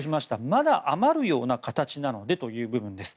まだ余るような形なのでという部分です。